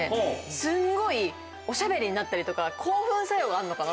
すんごいおしゃべりになったりとか興奮作用があるのかな？